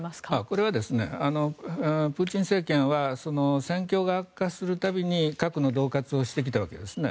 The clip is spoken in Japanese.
これはプーチン政権は戦況が悪化する度に核のどう喝をしてきたわけですね。